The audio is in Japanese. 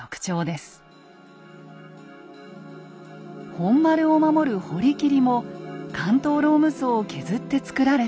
本丸を守る堀切も関東ローム層を削って造られたもの。